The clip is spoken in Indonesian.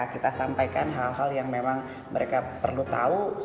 kita sampaikan hal hal yang memang mereka perlu tahu